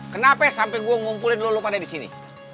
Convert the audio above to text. kenapa sampai gua ngumpulin lu pada di sini